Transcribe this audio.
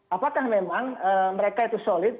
apakah memang mereka itu solid